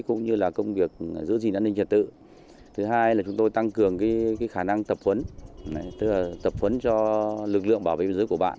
cũng như là công việc giữ gìn an ninh trật tự thứ hai là chúng tôi tăng cường khả năng tập huấn tức là tập huấn cho lực lượng bảo vệ biên giới của bạn